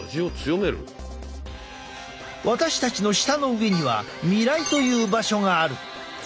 私たちの舌の上には味蕾という場所がある。